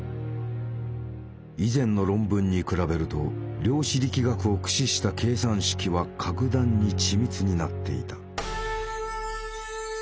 以前の論文に比べると量子力学を駆使した計算式は格段に緻密になっていた。